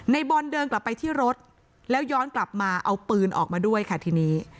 ในบอลเดินกลับไปที่รถแล้วย้อนกลับมาเอาปืนออกมาด้วยค่ะทีนี้